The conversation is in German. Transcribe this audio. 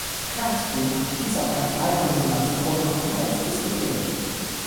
Clarks Buch stieß auf eine breite Resonanz und wurde kontrovers diskutiert.